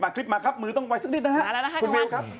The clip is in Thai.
เอาคลิปมาครับมือต้องไว้สักนิดนะครับ